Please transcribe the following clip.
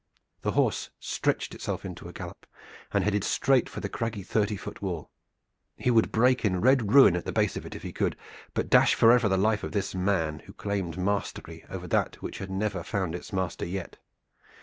The horse stretched itself into a gallop, and headed straight for that craggy thirty foot wall. He would break in red ruin at the base of it if he could but dash forever the life of this man, who claimed mastery over that which had never found its master yet.